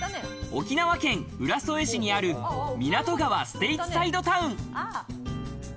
沖縄県浦添市にある、港川ステイツサイドタウン。